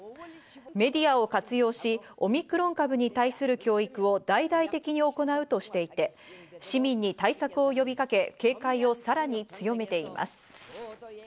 メディアを活用し、オミクロン株に対する教育を大々的に行うとしていて、市民に対策を呼びかけ、警戒をさらに強めています。